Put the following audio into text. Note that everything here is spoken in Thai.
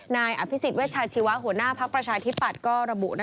นายอภิสิตเวชาชีว้าหัวหน้าพักประชาธิปัตย์ก็ระบุนะคะว่า